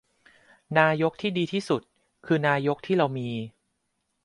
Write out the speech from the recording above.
นายกที่ดีที่สุด คือนายกที่เรามี